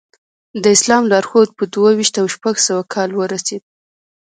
د اسلام لارښود په دوه ویشت او شپږ سوه کال ورسېد.